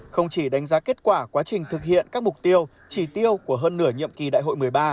không chỉ đánh giá kết quả quá trình thực hiện các mục tiêu chỉ tiêu của hơn nửa nhiệm kỳ đại hội một mươi ba